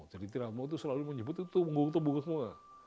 jadi trianmo itu selalu menyebut itu tumgung tumgung semua